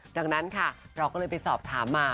ดังนั้นค่ะเราก็เลยไปสอบถามมา